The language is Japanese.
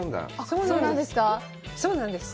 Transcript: そうなんです。